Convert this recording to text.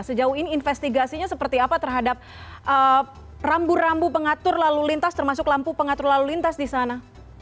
sejauh ini investigasinya seperti apa terhadap rambu rambu pengatur lalu lintas termasuk lampu pengatur lalu lintas di sana